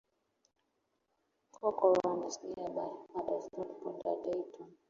Corcoran is nearby, but does not border Dayton.